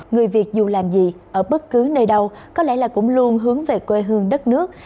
người việt dù làm gì ở bất cứ nơi đâu có lẽ là cũng luôn hướng về quê hương đất nước